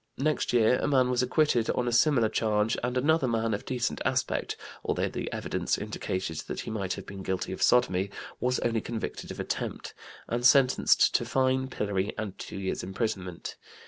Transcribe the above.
Next year a man was acquitted on a similar charge, and another man, of decent aspect, although the evidence indicated that he might have been guilty of sodomy, was only convicted of attempt, and sentenced to fine, pillory, and two years' imprisonment.